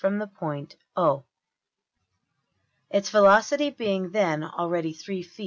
\ from the point~$O$, its velocity being then already $3$~ft.